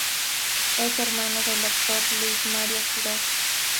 Es hermano del actor Luis Mario Quiroz.